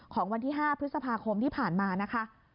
วันที่๕พฤษภาคมที่ผ่านมานะคะ